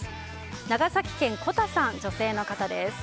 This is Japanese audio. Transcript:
長崎県の女性の方です。